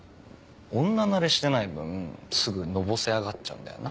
女慣れしてない分すぐのぼせ上がっちゃうんだよな。